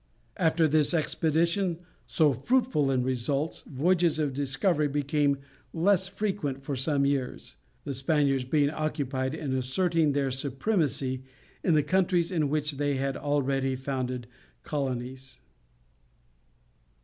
After this expedition, so fruitful in results, voyages of discovery became rather less frequent for some years; the Spaniards being occupied in asserting their supremacy in the countries in which they had already founded colonies.